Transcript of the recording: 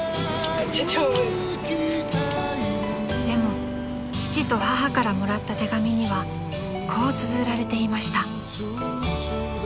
［でも父と母からもらった手紙にはこうつづられていました］